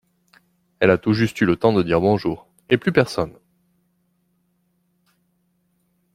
Elle a tout juste eu le temps de dire bonjour, et plus personne!